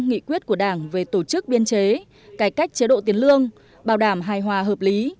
nghị quyết của đảng về tổ chức biên chế cải cách chế độ tiền lương bảo đảm hài hòa hợp lý